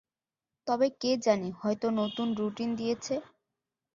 তবে কে জানে হয়তো নতুন রুটিন দিয়েছে।